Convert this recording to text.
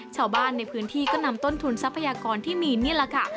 ชาวบ้านในพื้นที่ก็นำต้นทุนทรัพยากรที่มีนี่แหละค่ะ